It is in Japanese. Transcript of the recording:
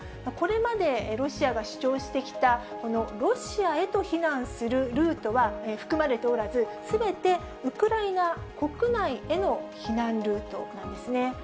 これまでロシアが主張してきたこのロシアへと避難するルートは含まれておらず、すべてウクライナ国内への避難ルートなんですね。